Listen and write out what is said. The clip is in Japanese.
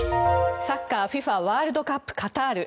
サッカーＦＩＦＡワールドカップカタール。